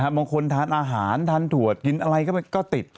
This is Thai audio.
บางคนทานอาหารทานถั่วกินอะไรก็ติด